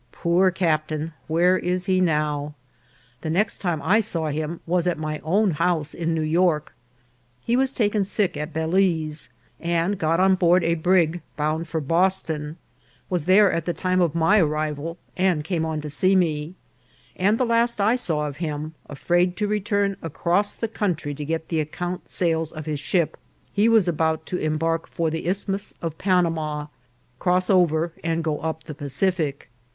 Poor captain, where is he now ? The next time I saw him was at my own house in New York. He was taken sick at Balize, and got on board a brig bound for Boston, was there at the time of my arrival, and came on to see me ; and the last that I saw of him, afraid to return across the coun try to get the account sales of his ship, he was about to embark for the Isthmus of Panama, cross over, and go up the Pacific.